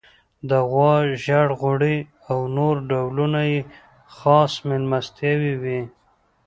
د غوا ژړ غوړي او نور ډولونه یې خاص میلمستیاوې وې.